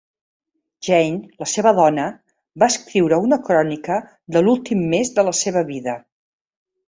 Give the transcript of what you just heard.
Jane, la seva dona, va escriure una crònica de l'últim mes de la seva vida.